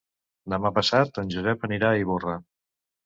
Demà passat en Josep anirà a Ivorra.